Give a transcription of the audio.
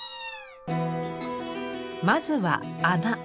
まずは「孔」。